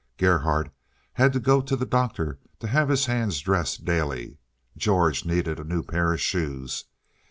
Gerhardt had to go to a doctor to have his hands dressed daily. George needed a new pair of shoes.